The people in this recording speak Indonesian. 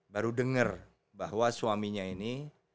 baru dengar bahwa suaminya ini